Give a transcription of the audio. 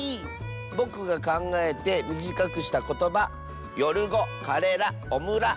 ぼくがかんがえてみじかくしたことば「よるご」「カレラ」「オムラ」。